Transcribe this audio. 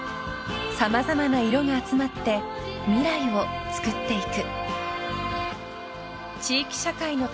［様々な色が集まって未来をつくっていく］